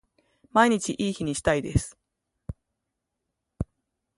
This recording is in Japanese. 毎日いい日にしたいです